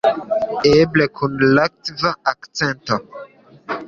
Eble, kun latva akĉento.